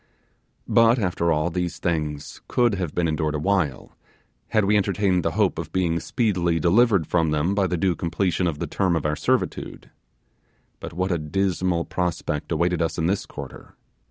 But, after all, these things could have been endured awhile, had we entertained the hope of being speedily delivered from them by the due completion of the term of our servitude. But what a dismal prospect awaited us in this quarter!